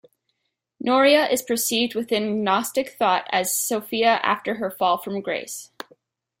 Norea is perceived within gnostic thought as Sophia after her fall from grace.